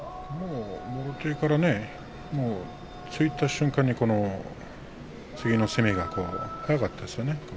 もろ手からもう突いた瞬間に次の攻めが早かったですよね。